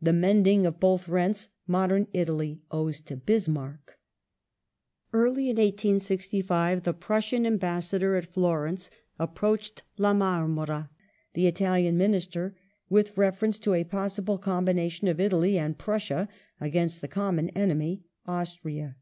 The mending of both rents modern Italy owes to Bismarck. Early in 1865 the Prussian Ambassador at Florence approached La Marmora, the Italian Minister, with reference to a possible combination of Italy and Prussia against the common enemy, Austria.